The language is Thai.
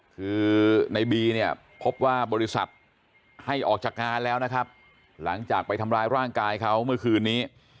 คือในบีเนี่ยพบว่าบริษัทให้ออกจากงานแล้วนะครับหลังจากไปทำร้ายร่างกายเขาเมื่อคืนนี้